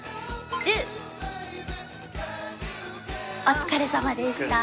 お疲れさまでした。